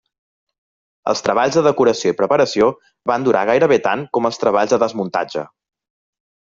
Els treballs de decoració i preparació van durar gairebé tant com els treballs de desmuntatge.